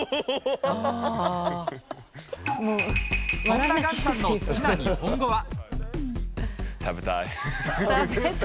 そんなガンちゃんの好きな日本語は。